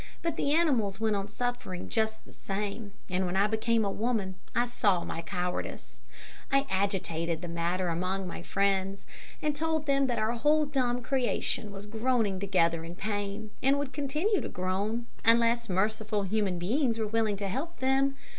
But the animals went on suffering just the same, and when I became a woman, I saw my cowardice. I agitated the matter among my friends, and told them that our whole dumb creation was groaning together in pain, and would continue to groan, unless merciful human beings were willing to help them.